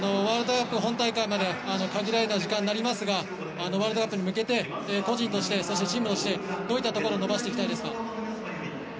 ワールドカップ本大会まで限られた時間になりますがワールドカップに向けて個人としてそしてチームとしてどういったところを伸ばしていきたいですか？